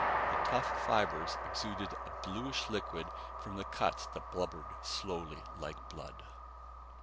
The tough fibres exuded a bluish liquid from the cuts that bubbled slowly like blood.